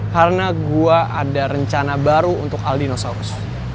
karena gue ada rencana baru untuk al dinosaurus